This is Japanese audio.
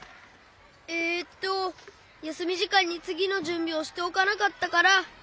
えっとやすみじかんにつぎのじゅんびをしておかなかったから。